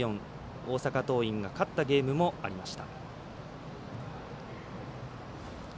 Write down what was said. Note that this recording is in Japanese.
大阪桐蔭が勝ったゲームもありました。